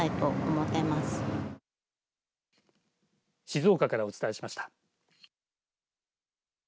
静岡からお伝えしました。